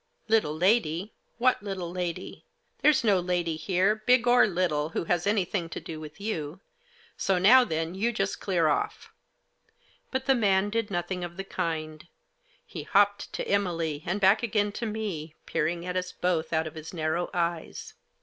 " Little lady ? What little lady ? There's no lady here, big or little, who has anything to do with you ; so, now then, you just clear off." But the man did nothing of the kind. He hopped to Emily, and back again to me, peering at us both out of his narrow eyes.